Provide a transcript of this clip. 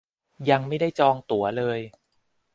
ยังไม่ได้จองตั๋วเลย